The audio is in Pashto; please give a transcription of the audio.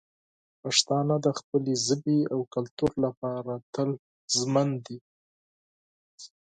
پښتانه د خپلې ژبې او کلتور لپاره تل ژمن دي.